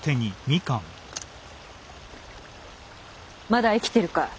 まだ生きてるかい？